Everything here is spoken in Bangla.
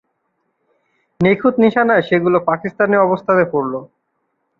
নিখুঁত নিশানায় সেগুলো পাকিস্তানি অবস্থানে পড়ল।